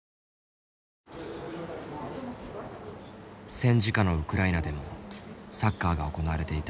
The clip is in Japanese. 戦時下のウクライナでもサッカーが行われていた。